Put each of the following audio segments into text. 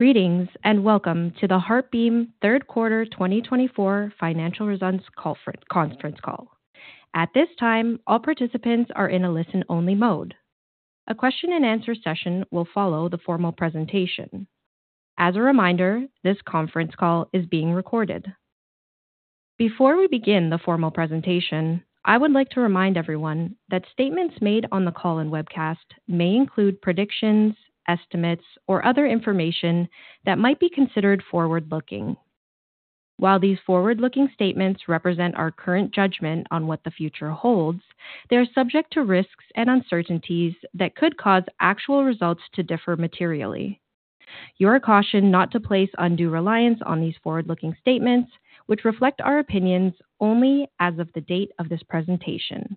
Greetings and welcome to the HeartBeam Q3 2024 Financial Results Conference Call. At this time, all participants are in a listen-only mode. A question-and-answer session will follow the formal presentation. As a reminder, this conference call is being recorded. Before we begin the formal presentation, I would like to remind everyone that statements made on the call and webcast may include predictions, estimates, or other information that might be considered forward-looking. While these forward-looking statements represent our current judgment on what the future holds, they are subject to risks and uncertainties that could cause actual results to differ materially. You are cautioned not to place undue reliance on these forward-looking statements, which reflect our opinions only as of the date of this presentation.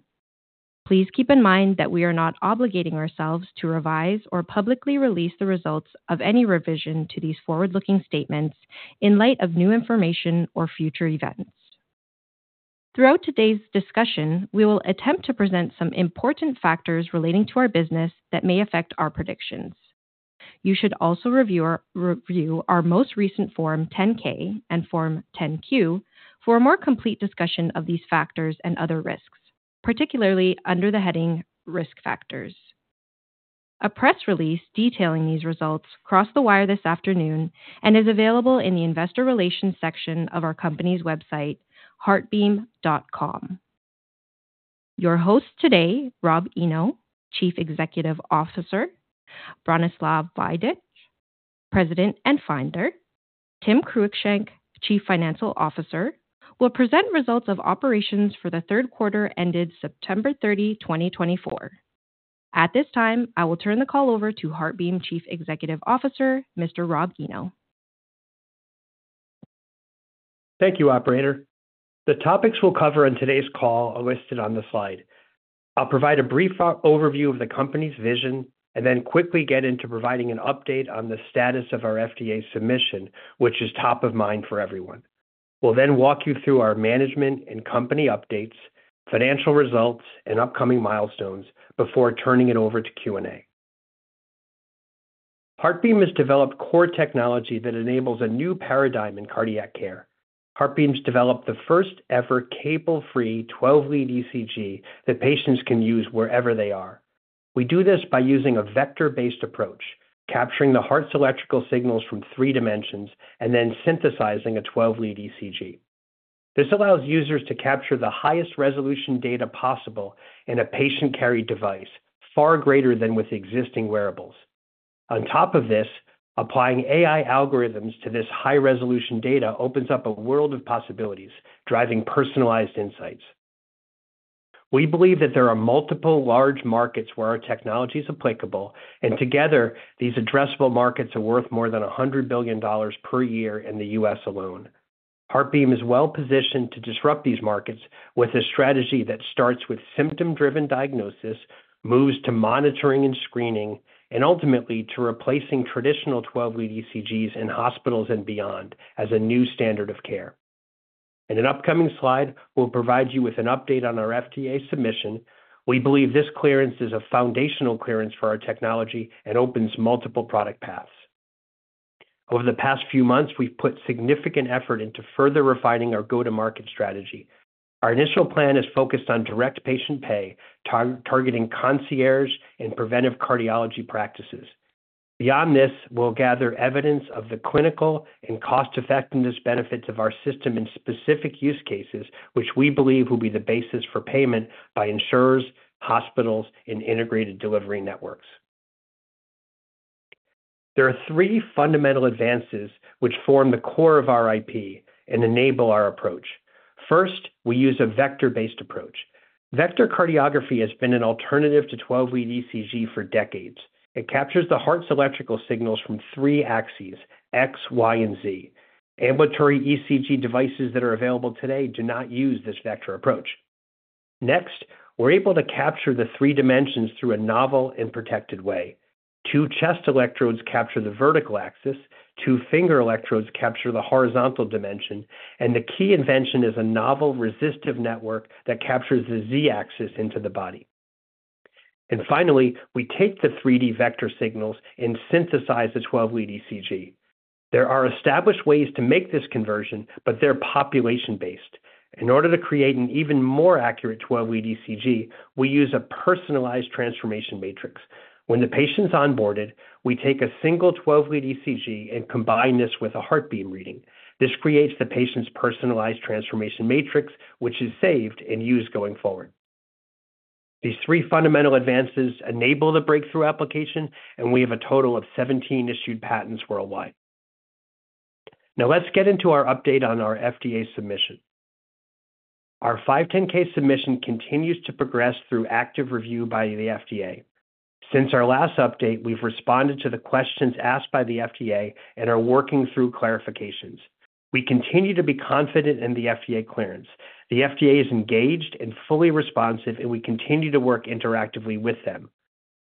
Please keep in mind that we are not obligating ourselves to revise or publicly release the results of any revision to these forward-looking statements in light of new information or future events. Throughout today's discussion, we will attempt to present some important factors relating to our business that may affect our predictions. You should also review our most recent Form 10-K and Form 10-Q for a more complete discussion of these factors and other risks, particularly under the heading "Risk Factors." A press release detailing these results crossed the wire this afternoon and is available in the Investor Relations section of our company's website, heartbeam.com. Your hosts today, Rob Eno, Chief Executive Officer; Branislav Vajdic, President and Founder; Tim Cruickshank, Chief Financial Officer, will present results of operations for the Q3 ended September 30, 2024. At this time, I will turn the call over to HeartBeam Chief Executive Officer, Mr. Rob Eno. Thank you, Operator. The topics we'll cover on today's call are listed on the slide. I'll provide a brief overview of the company's vision and then quickly get into providing an update on the status of our FDA submission, which is top of mind for everyone. We'll then walk you through our management and company updates, financial results, and upcoming milestones before turning it over to Q&A. HeartBeam has developed core technology that enables a new paradigm in cardiac care. HeartBeam has developed the first-ever cable-free 12-lead ECG that patients can use wherever they are. We do this by using a vector-based approach, capturing the heart's electrical signals from three dimensions and then synthesizing a 12-lead ECG. This allows users to capture the highest resolution data possible in a patient-carried device, far greater than with existing wearables. On top of this, applying AI algorithms to this high-resolution data opens up a world of possibilities, driving personalized insights. We believe that there are multiple large markets where our technology is applicable, and together, these addressable markets are worth more than $100 billion per year in the U.S. alone. HeartBeam is well-positioned to disrupt these markets with a strategy that starts with symptom-driven diagnosis, moves to monitoring and screening, and ultimately to replacing traditional 12-lead ECGs in hospitals and beyond as a new standard of care. In an upcoming slide, we'll provide you with an update on our FDA submission. We believe this clearance is a foundational clearance for our technology and opens multiple product paths. Over the past few months, we've put significant effort into further refining our go-to-market strategy. Our initial plan is focused on direct patient pay, targeting concierge and preventive cardiology practices. Beyond this, we'll gather evidence of the clinical and cost-effectiveness benefits of our system in specific use cases, which we believe will be the basis for payment by insurers, hospitals, and integrated delivery networks. There are three fundamental advances which form the core of our IP and enable our approach. First, we use a vector-based approach. Vectorcardiography has been an alternative to 12-lead ECG for decades. It captures the heart's electrical signals from three axes: X, Y, and Z. Ambulatory ECG devices that are available today do not use this vector approach. Next, we're able to capture the three dimensions through a novel and protected way. Two chest electrodes capture the vertical axis, two finger electrodes capture the horizontal dimension, and the key invention is a novel resistive network that captures the Z-axis into the body, and finally, we take the 3D vector signals and synthesize the 12-lead ECG. There are established ways to make this conversion, but they're population-based. In order to create an even more accurate 12-lead ECG, we use a personalized transformation matrix. When the patient's onboarded, we take a single 12-lead ECG and combine this with a HeartBeam reading. This creates the patient's personalized transformation matrix, which is saved and used going forward. These three fundamental advances enable the breakthrough application, and we have a total of 17 issued patents worldwide. Now, let's get into our update on our FDA submission. Our 510(k) submission continues to progress through active review by the FDA. Since our last update, we've responded to the questions asked by the FDA and are working through clarifications. We continue to be confident in the FDA clearance. The FDA is engaged and fully responsive, and we continue to work interactively with them.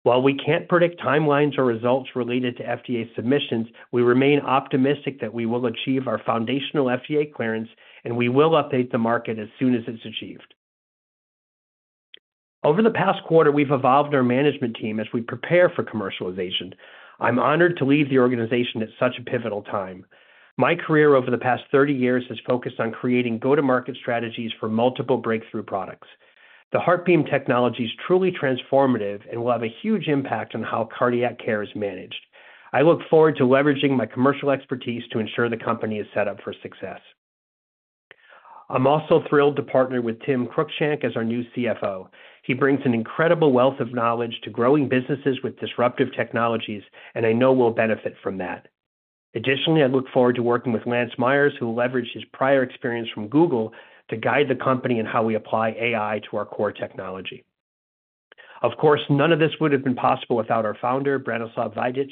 While we can't predict timelines or results related to FDA submissions, we remain optimistic that we will achieve our foundational FDA clearance, and we will update the market as soon as it's achieved. Over the past quarter, we've evolved our management team as we prepare for commercialization. I'm honored to lead the organization at such a pivotal time. My career over the past 30 years has focused on creating go-to-market strategies for multiple breakthrough products. The HeartBeam technology is truly transformative and will have a huge impact on how cardiac care is managed. I look forward to leveraging my commercial expertise to ensure the company is set up for success. I'm also thrilled to partner with Tim Cruickshank as our new CFO. He brings an incredible wealth of knowledge to growing businesses with disruptive technologies, and I know we'll benefit from that. Additionally, I look forward to working with Lance Myers, who leveraged his prior experience from Google to guide the company in how we apply AI to our core technology. Of course, none of this would have been possible without our founder, Branislav Vajdic.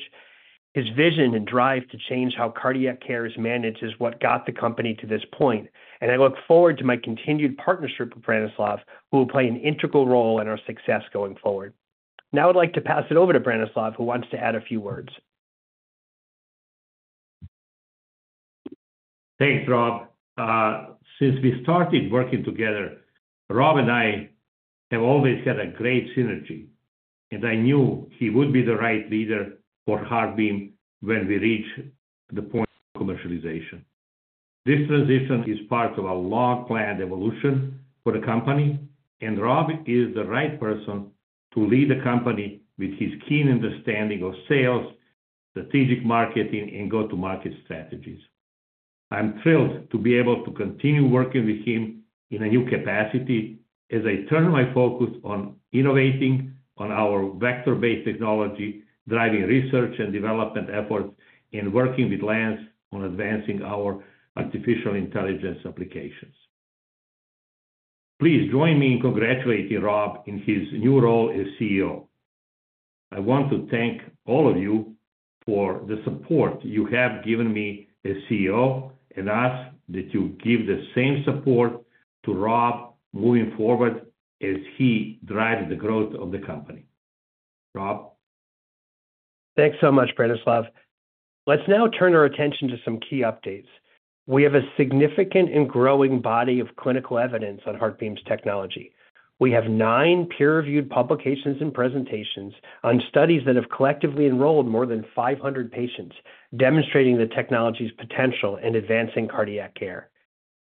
His vision and drive to change how cardiac care is managed is what got the company to this point, and I look forward to my continued partnership with Branislav, who will play an integral role in our success going forward. Now, I'd like to pass it over to Branislav, who wants to add a few words. Thanks, Rob. Since we started working together, Rob and I have always had a great synergy, and I knew he would be the right leader for HeartBeam when we reach the point of commercialization. This transition is part of a long-planned evolution for the company, and Rob is the right person to lead the company with his keen understanding of sales, strategic marketing, and go-to-market strategies. I'm thrilled to be able to continue working with him in a new capacity as I turn my focus on innovating on our vector-based technology, driving research and development efforts, and working with Lance on advancing our artificial intelligence applications. Please join me in congratulating Rob in his new role as CEO. I want to thank all of you for the support you have given me as CEO and ask that you give the same support to Rob moving forward as he drives the growth of the company. Rob? Thanks so much, Branislav. Let's now turn our attention to some key updates. We have a significant and growing body of clinical evidence on HeartBeam's technology. We have nine peer-reviewed publications and presentations on studies that have collectively enrolled more than 500 patients, demonstrating the technology's potential in advancing cardiac care.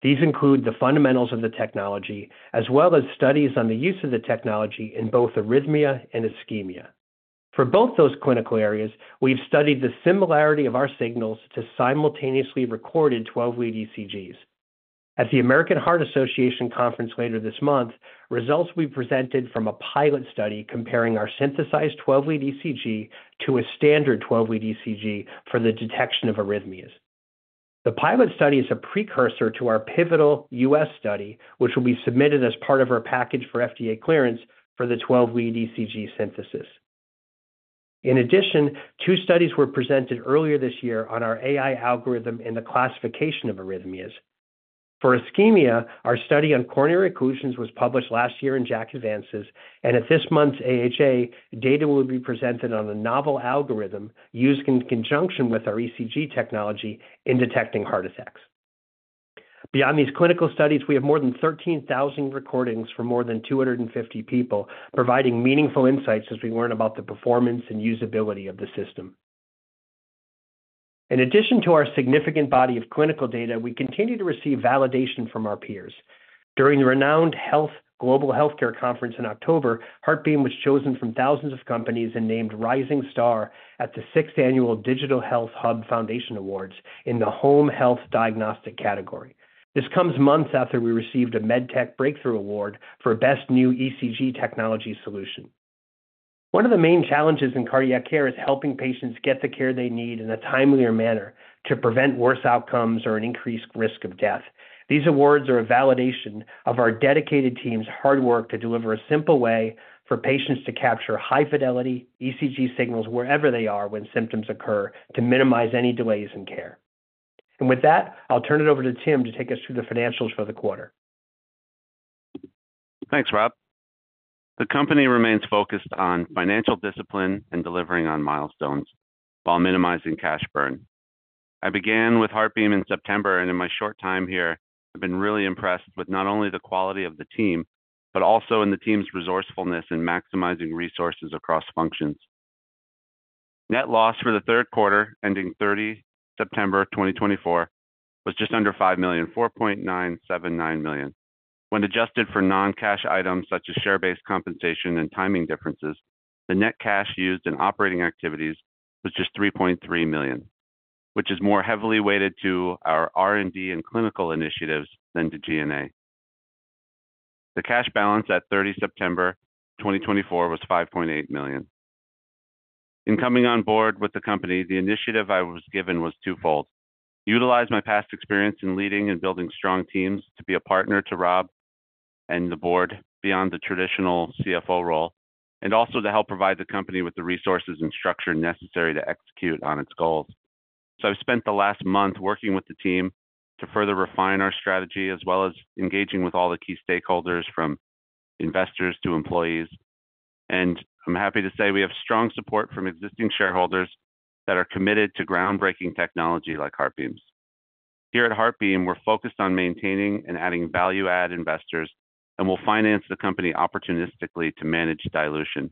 These include the fundamentals of the technology, as well as studies on the use of the technology in both arrhythmia and ischemia. For both those clinical areas, we've studied the similarity of our signals to simultaneously recorded 12-lead ECGs. At the American Heart Association conference later this month, results will be presented from a pilot study comparing our synthesized 12-lead ECG to a standard 12-lead ECG for the detection of arrhythmias. The pilot study is a precursor to our pivotal U.S. study, which will be submitted as part of our package for FDA clearance for the 12-lead ECG synthesis. In addition, two studies were presented earlier this year on our AI algorithm in the classification of arrhythmias. For ischemia, our study on coronary occlusions was published last year in JACC: Advances, and at this month's AHA, data will be presented on a novel algorithm used in conjunction with our ECG technology in detecting heart attacks. Beyond these clinical studies, we have more than 13,000 recordings for more than 250 people, providing meaningful insights as we learn about the performance and usability of the system. In addition to our significant body of clinical data, we continue to receive validation from our peers. During the renowned Global Healthcare Conference in October, HeartBeam was chosen from thousands of companies and named Rising Star at the 6th Annual Digital Health Hub Foundation Awards in the Home Health Diagnostic category. This comes months after we received a MedTech Breakthrough Award for Best New ECG Technology Solution. One of the main challenges in cardiac care is helping patients get the care they need in a timelier manner to prevent worse outcomes or an increased risk of death. These awards are a validation of our dedicated team's hard work to deliver a simple way for patients to capture high-fidelity ECG signals wherever they are when symptoms occur to minimize any delays in care, and with that, I'll turn it over to Tim to take us through the financials for the quarter. Thanks, Rob. The company remains focused on financial discipline and delivering on milestones while minimizing cash burn. I began with HeartBeam in September, and in my short time here, I've been really impressed with not only the quality of the team, but also in the team's resourcefulness in maximizing resources across functions. Net loss for the Q3, ending September 30, 2024, was just under $5 million, $4.979 million. When adjusted for non-cash items such as share-based compensation and timing differences, the net cash used in operating activities was just $3.3 million, which is more heavily weighted to our R&D and clinical initiatives than to G&A. The cash balance at September 30, 2024 was $5.8 million. In coming on board with the company, the initiative I was given was twofold: utilize my past experience in leading and building strong teams to be a partner to Rob and the board beyond the traditional CFO role, and also to help provide the company with the resources and structure necessary to execute on its goals. So I've spent the last month working with the team to further refine our strategy, as well as engaging with all the key stakeholders, from investors to employees, and I'm happy to say we have strong support from existing shareholders that are committed to groundbreaking technology like HeartBeam's. Here at HeartBeam, we're focused on maintaining and adding value-add investors, and we'll finance the company opportunistically to manage dilution.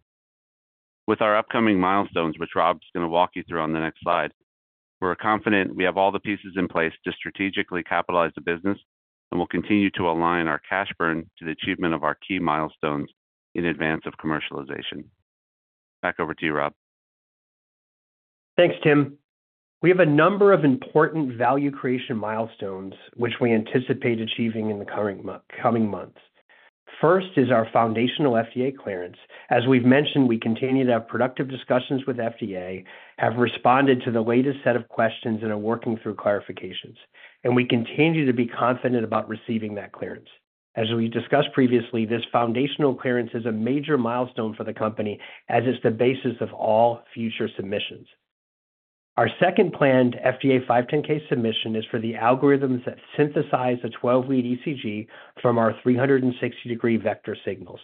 With our upcoming milestones, which Rob's going to walk you through on the next slide, we're confident we have all the pieces in place to strategically capitalize the business, and we'll continue to align our cash burn to the achievement of our key milestones in advance of commercialization. Back over to you, Rob. Thanks, Tim. We have a number of important value creation milestones, which we anticipate achieving in the coming months. First is our foundational FDA clearance. As we've mentioned, we continue to have productive discussions with FDA, have responded to the latest set of questions, and are working through clarifications, and we continue to be confident about receiving that clearance. As we discussed previously, this foundational clearance is a major milestone for the company, as it's the basis of all future submissions. Our second planned FDA 510(k) submission is for the algorithms that synthesize the 12-lead ECG from our 360-degree vector signals.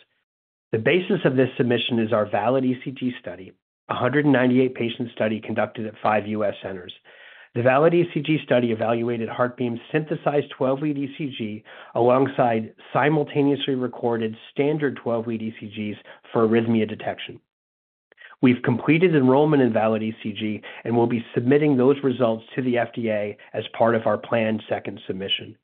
The basis of this submission is our VALID-ECG study, a 198-patient study conducted at five U.S. centers. The VALID-ECG study evaluated HeartBeam's synthesized 12-lead ECG alongside simultaneously recorded standard 12-lead ECGs for arrhythmia detection. We've completed enrollment in VALID-ECG and will be submitting those results to the FDA as part of our planned second submission.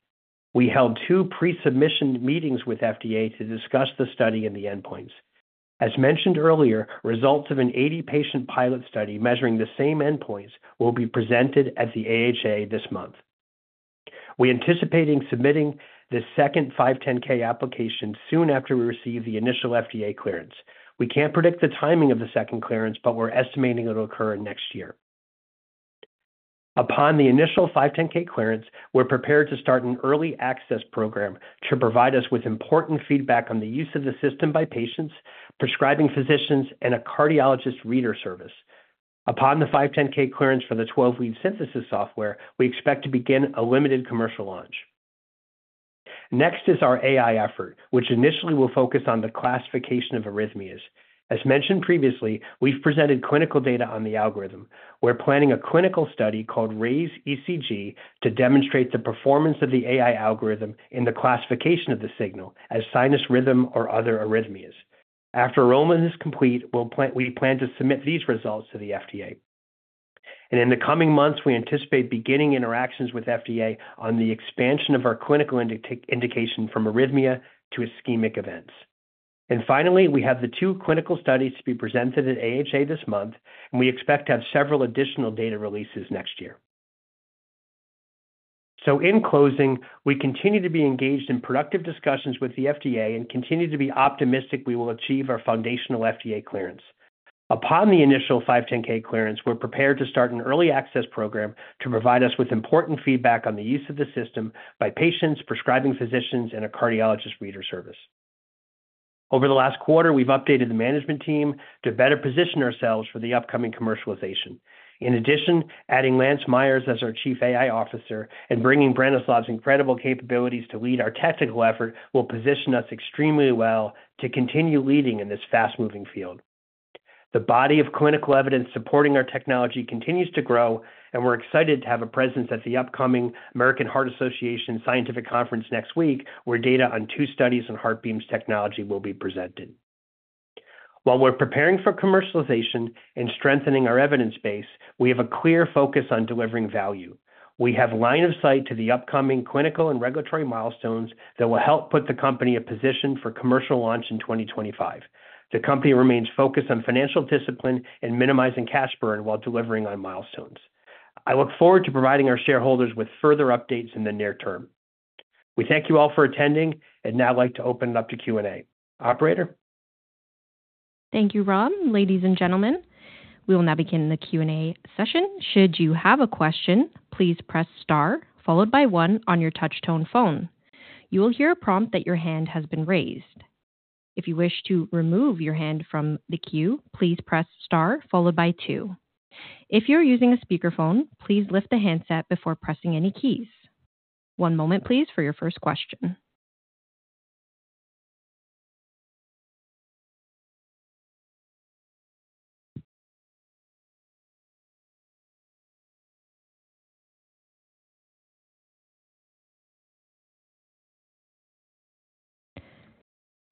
We held two pre-submission meetings with FDA to discuss the study and the endpoints. As mentioned earlier, results of an 80-patient pilot study measuring the same endpoints will be presented at the AHA this month. We anticipate submitting the second 510(k) application soon after we receive the initial FDA clearance. We can't predict the timing of the second clearance, but we're estimating it'll occur next year. Upon the initial 510(k) clearance, we're prepared to start an early access program to provide us with important feedback on the use of the system by patients, prescribing physicians, and a cardiologist reader service. Upon the 510(k) clearance for the 12-lead synthesis software, we expect to begin a limited commercial launch. Next is our AI effort, which initially will focus on the classification of arrhythmias. As mentioned previously, we've presented clinical data on the algorithm. We're planning a clinical study called RAISE-ECG to demonstrate the performance of the AI algorithm in the classification of the signal as sinus rhythm or other arrhythmias. After enrollment is complete, we plan to submit these results to the FDA. And in the coming months, we anticipate beginning interactions with FDA on the expansion of our clinical indication from arrhythmia to ischemic events. And finally, we have the two clinical studies to be presented at AHA this month, and we expect to have several additional data releases next year. So in closing, we continue to be engaged in productive discussions with the FDA and continue to be optimistic we will achieve our foundational FDA clearance. Upon the initial 510(k) clearance, we're prepared to start an early access program to provide us with important feedback on the use of the system by patients, prescribing physicians, and a cardiologist reader service. Over the last quarter, we've updated the management team to better position ourselves for the upcoming commercialization. In addition, adding Lance Myers as our Chief AI Officer and bringing Branislav's incredible capabilities to lead our technical effort will position us extremely well to continue leading in this fast-moving field. The body of clinical evidence supporting our technology continues to grow, and we're excited to have a presence at the upcoming American Heart Association Scientific Conference next week, where data on two studies on HeartBeam's technology will be presented. While we're preparing for commercialization and strengthening our evidence base, we have a clear focus on delivering value. We have line of sight to the upcoming clinical and regulatory milestones that will help put the company in a position for commercial launch in 2025. The company remains focused on financial discipline and minimizing cash burn while delivering on milestones. I look forward to providing our shareholders with further updates in the near term. We thank you all for attending and now like to open it up to Q&A. Operator? Thank you, Rob. Ladies and gentlemen, we will now begin the Q&A session. Should you have a question, please press star followed by one on your touch-tone phone. You will hear a prompt that your hand has been raised. If you wish to remove your hand from the queue, please press star followed by two. If you're using a speakerphone, please lift the handset before pressing any keys. One moment, please, for your first question.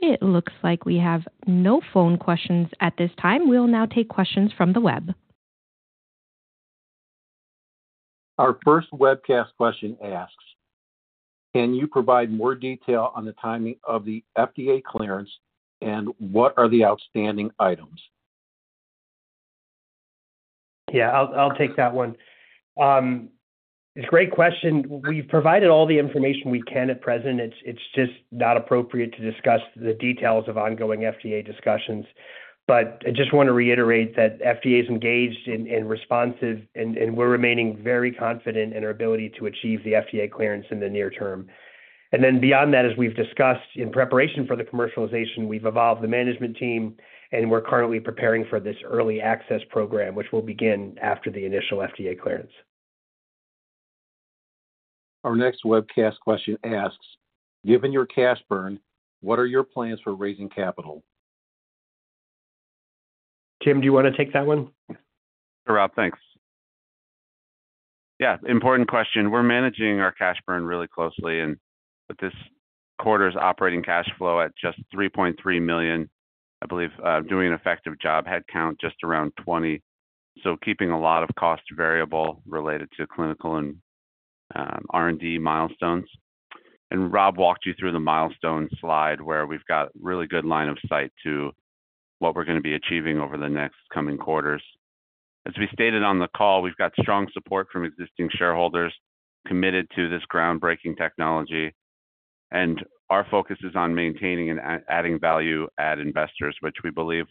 It looks like we have no phone questions at this time. We'll now take questions from the web. Our first webcast question asks, "Can you provide more detail on the timing of the FDA clearance, and what are the outstanding items? Yeah, I'll take that one. It's a great question. We've provided all the information we can at present. It's just not appropriate to discuss the details of ongoing FDA discussions, but I just want to reiterate that FDA is engaged and responsive, and we're remaining very confident in our ability to achieve the FDA clearance in the near term, and then beyond that, as we've discussed in preparation for the commercialization, we've evolved the management team, and we're currently preparing for this early access program, which will begin after the initial FDA clearance. Our next webcast question asks, "Given your cash burn, what are your plans for raising capital? Tim, do you want to take that one? Sure, Rob. Thanks. Yeah, important question. We're managing our cash burn really closely, and this quarter's operating cash flow at just $3.3 million. I believe doing an effective job headcount just around 20, so keeping a lot of cost variable related to clinical and R&D milestones, and Rob walked you through the milestone slide where we've got a really good line of sight to what we're going to be achieving over the next coming quarters. As we stated on the call, we've got strong support from existing shareholders committed to this groundbreaking technology, and our focus is on maintaining and adding value-add investors, which we believe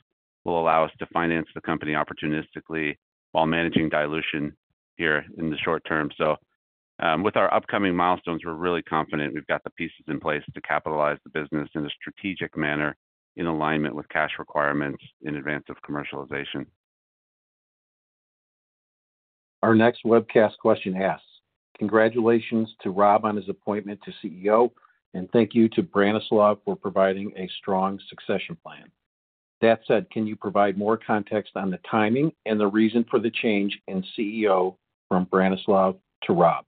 will allow us to finance the company opportunistically while managing dilution here in the short term. So with our upcoming milestones, we're really confident we've got the pieces in place to capitalize the business in a strategic manner in alignment with cash requirements in advance of commercialization. Our next webcast question asks, "Congratulations to Rob on his appointment to CEO, and thank you to Branislav for providing a strong succession plan. With that said, can you provide more context on the timing and the reason for the change in CEO from Branislav to Rob?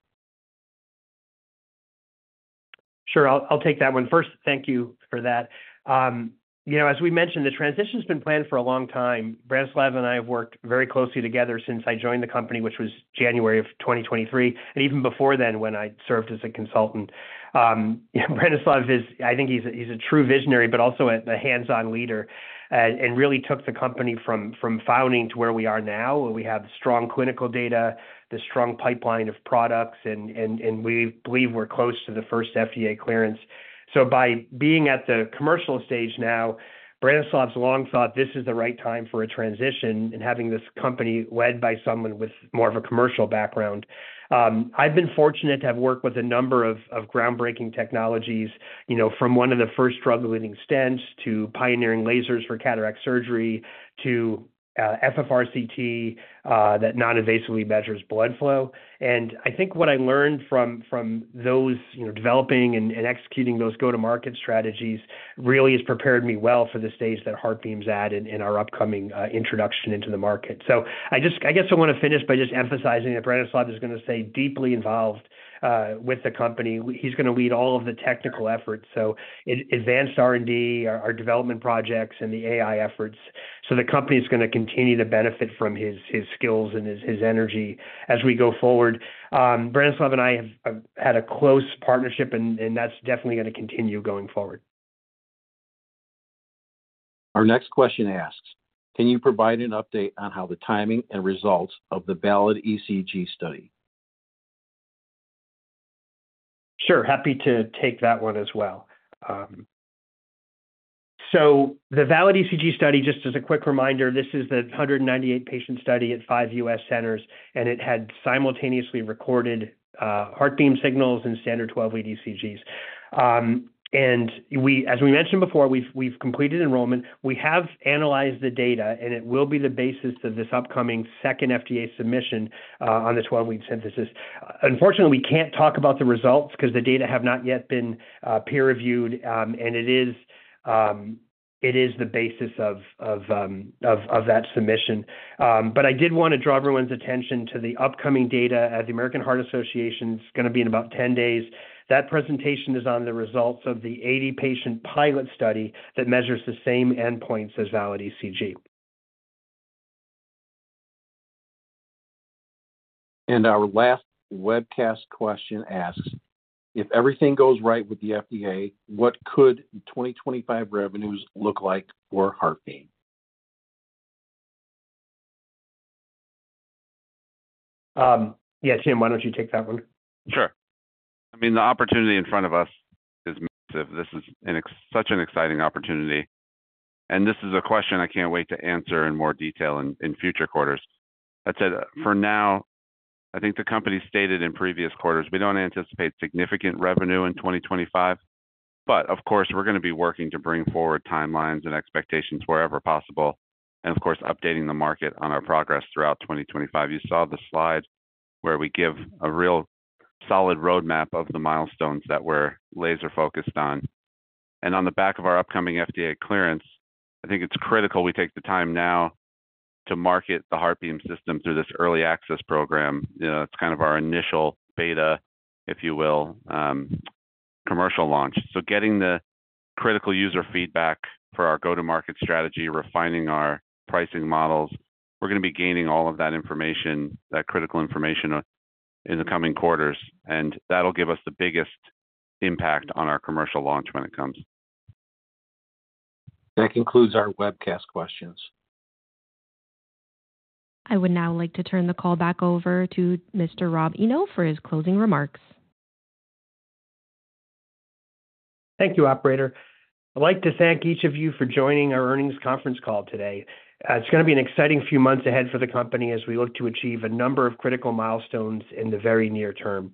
Sure, I'll take that one. First, thank you for that. As we mentioned, the transition has been planned for a long time. Branislav and I have worked very closely together since I joined the company, which was January of 2023, and even before then when I served as a consultant. Branislav, I think he's a true visionary, but also a hands-on leader, and really took the company from founding to where we are now. We have strong clinical data, the strong pipeline of products, and we believe we're close to the first FDA clearance. So by being at the commercial stage now, Branislav's long thought this is the right time for a transition and having this company led by someone with more of a commercial background. I've been fortunate to have worked with a number of groundbreaking technologies, from one of the first drug-eluting stents to pioneering lasers for cataract surgery to FFRCT that non-invasively measures blood flow. And I think what I learned from those developing and executing those go-to-market strategies really has prepared me well for the stage that HeartBeam's at in our upcoming introduction into the market. So I guess I want to finish by just emphasizing that Branislav is going to stay deeply involved with the company. He's going to lead all of the technical efforts, so advanced R&D, our development projects, and the AI efforts. So the company is going to continue to benefit from his skills and his energy as we go forward. Branislav and I have had a close partnership, and that's definitely going to continue going forward. Our next question asks, "Can you provide an update on how the timing and results of the VALID-ECG study? Sure, happy to take that one as well. So the VALID-ECG study, just as a quick reminder, this is the 198-patient study at five U.S. centers, and it had simultaneously recorded HeartBeam signals and standard 12-lead ECGs. And as we mentioned before, we've completed enrollment. We have analyzed the data, and it will be the basis of this upcoming second FDA submission on the 12-lead synthesis. Unfortunately, we can't talk about the results because the data have not yet been peer-reviewed, and it is the basis of that submission. But I did want to draw everyone's attention to the upcoming data at the American Heart Association. It's going to be in about 10 days. That presentation is on the results of the 80-patient pilot study that measures the same endpoints as VALID-ECG. Our last webcast question asks, "If everything goes right with the FDA, what could 2025 revenues look like for HeartBeam? Yeah, Tim, why don't you take that one? Sure. I mean, the opportunity in front of us is massive. This is such an exciting opportunity, and this is a question I can't wait to answer in more detail in future quarters. That said, for now, I think the company stated in previous quarters, we don't anticipate significant revenue in 2025, but of course, we're going to be working to bring forward timelines and expectations wherever possible, and of course, updating the market on our progress throughout 2025. You saw the slide where we give a real solid roadmap of the milestones that we're laser-focused on, and on the back of our upcoming FDA clearance, I think it's critical we take the time now to market the HeartBeam system through this early access program. It's kind of our initial beta, if you will, commercial launch. So getting the critical user feedback for our go-to-market strategy, refining our pricing models, we're going to be gaining all of that information, that critical information, in the coming quarters. And that'll give us the biggest impact on our commercial launch when it comes. That concludes our webcast questions. I would now like to turn the call back over to Mr. Rob Eno for his closing remarks. Thank you, Operator. I'd like to thank each of you for joining our earnings conference call today. It's going to be an exciting few months ahead for the company as we look to achieve a number of critical milestones in the very near term.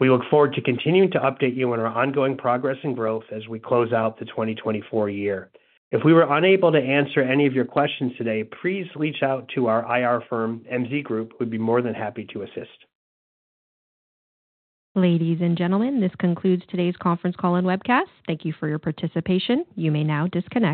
We look forward to continuing to update you on our ongoing progress and growth as we close out the 2024 year. If we were unable to answer any of your questions today, please reach out to our IR firm, MZ Group. We'd be more than happy to assist. Ladies and gentlemen, this concludes today's conference call and webcast. Thank you for your participation. You may now disconnect.